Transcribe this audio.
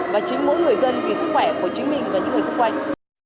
và chính mỗi người dân vì sức khỏe của chính mình và những người xung quanh